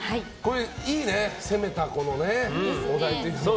いいね、攻めたお題も。